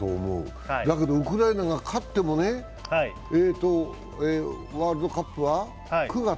だけどウクライナが勝ってもワールドカップは９月？